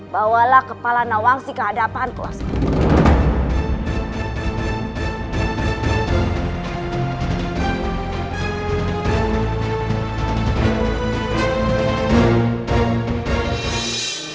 bawalah kepala nawangsi kehadapanku waskol